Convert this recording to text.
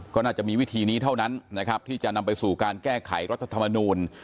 ก็น่าจะมีวิธีนี้เท่านั้นนะครับที่จะนำไปสู่การแก้ไขรัฐธรรมนูล